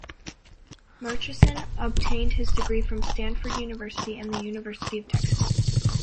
Murchison obtained his degree from Stanford University and the University of Texas.